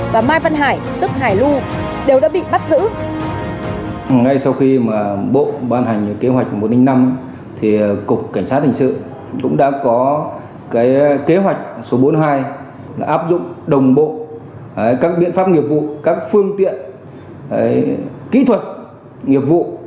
và mai văn hải tức hải lưu đều đã bị bắt giữ